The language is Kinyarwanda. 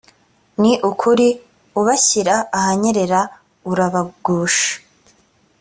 ni ukuri ubashyira ahanyerera, urabagusha.